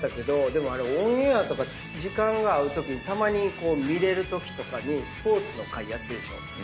でもオンエアとか時間が合うときたまに見れるときとかにスポーツの回やってるでしょ。